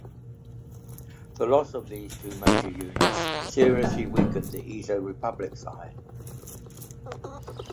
The loss of these two major units seriously weakened the Ezo Republic side.